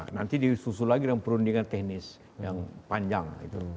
nanti disusul lagi dengan perundingan teknis yang panjang